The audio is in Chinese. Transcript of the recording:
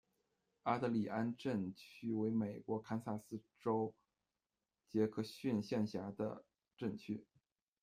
阿德里安镇区为美国堪萨斯州杰克逊县辖下的镇区。